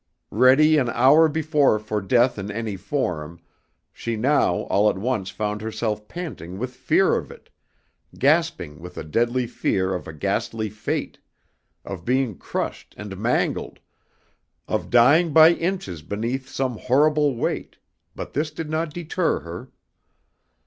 Ready an hour before for death in any form, she now all at once found herself panting with fear of it, gasping with a deadly fear of a ghastly fate, of being crushed and mangled, of dying by inches beneath some horrible weight, but this did not deter her.